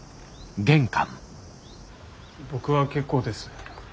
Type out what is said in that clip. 僕は結構です。